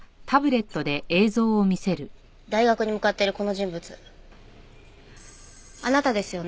大学に向かってるこの人物あなたですよね？